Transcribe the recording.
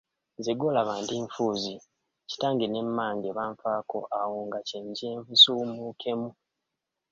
Nze gw'olaba ndi nfuuzi kitange ne mmange banfaako awo nga kye nje nsuumukemu.